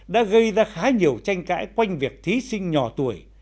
đã gây ra khá nhiều tranh cãi quanh việc thí sinh nhỏ tuổi